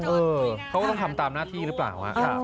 เออเขาก็ต้องทำตามหน้าที่หรือเปล่า